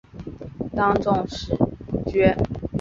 当赍首赴阙。